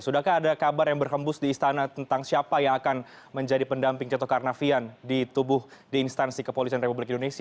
sudahkah ada kabar yang berhembus di istana tentang siapa yang akan menjadi pendamping tito karnavian di tubuh di instansi kepolisian republik indonesia